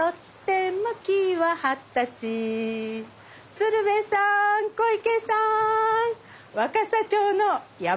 鶴瓶さん小池さん！